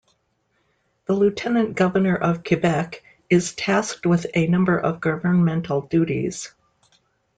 The Lieutenant Governor of Quebec is tasked with a number of governmental duties.